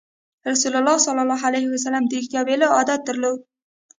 رسول الله ﷺ د رښتیا ویلو عادت درلود.